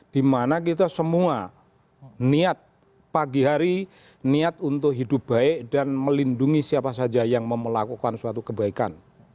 dimana kita semua niat pagi hari niat untuk hidup baik dan melindungi siapa saja yang melakukan suatu kebaikan